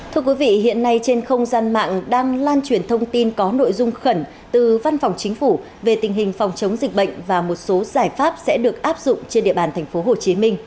thưa quý vị hiện nay trên không gian mạng đang lan truyền thông tin có nội dung khẩn từ văn phòng chính phủ về tình hình phòng chống dịch bệnh và một số giải pháp sẽ được áp dụng trên địa bàn tp hcm